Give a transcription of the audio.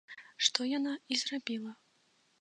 Што яна і зрабіла.